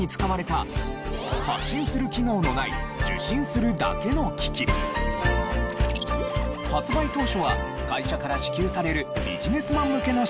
まだ発売当初は会社から支給されるビジネスマン向けの商品として普及。